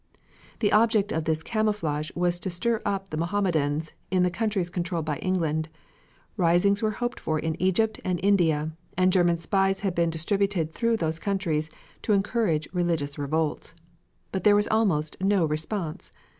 The object of this camouflage was to stir up the Mohammedans in the countries controlled by England, risings were hoped for in Egypt and India, and German spies had been distributed through those countries to encourage religious revolts. But there was almost no response.